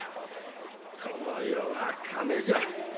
この世は金じゃ。